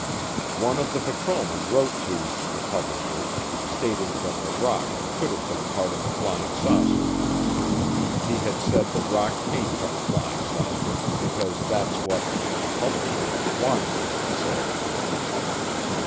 One of the patrolmen wrote to [the publisher] stating that the rock could have been part of a flying saucer. He had said the rock came from a flying saucer because that's what [the publisher] wanted him to say.